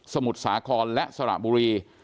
มุทรสาครและสระบุรี